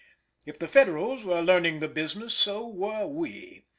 If the Federals were learning the business, so were we.